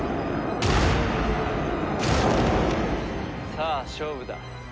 さあ勝負だ。